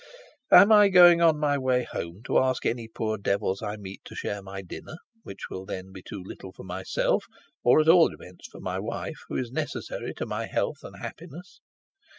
"Am I going on my way home to ask any poor devils I meet to share my dinner, which will then be too little for myself, or, at all events, for my wife, who is necessary to my health and happiness?